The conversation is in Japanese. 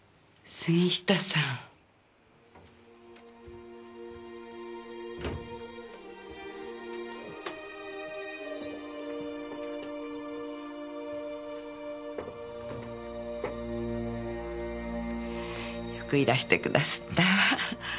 杉下さん。よくいらしてくだすったわ。